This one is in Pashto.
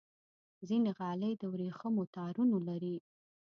ځینې غالۍ د ورېښمو تارونو لري.